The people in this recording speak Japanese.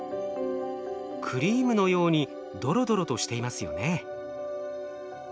クリームのようにドロドロとしていますよね。